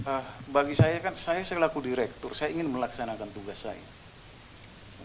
ah bagi saya kan saya selaku direktur saya ingin melaksanakan tugas saya